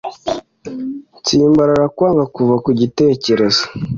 gutsimbarara: kwanga kuva ku gitekerezo